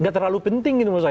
gak terlalu penting menurut saya